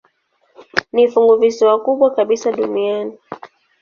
Ni funguvisiwa kubwa kabisa duniani.